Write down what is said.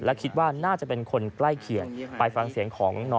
และคิดว่าน่าจะเป็นคนใกล้เขียน